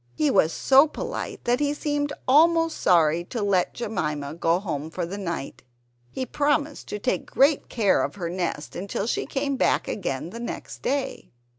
He was so polite that he seemed almost sorry to let Jemima go home for the night. He promised to take great care of her nest until she came back again the next day.